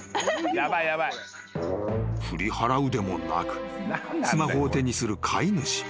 ［振り払うでもなくスマホを手にする飼い主］